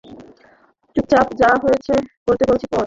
চুপচাপ যা করতে বলছি কর!